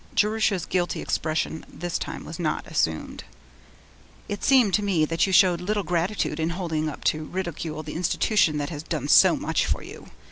Jerusha's guilty expression this time was not assumed. 'It seemed to me that you showed little gratitude in holding up to ridicule the institution that has done so much for you.